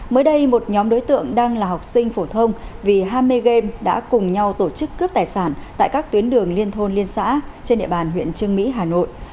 mới đây một nhóm đối tượng đang là học sinh phổ thông vì ham mê game đã cùng nhau tổ chức cướp tài sản tại các tuyến đường liên thôn liên xã trên địa bàn huyện trương mỹ hà nội